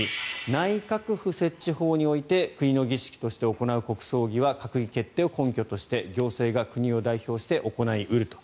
内閣府設置法において国の儀式として行う国葬儀は閣議決定を根拠として行政が国を代表して行い得ると。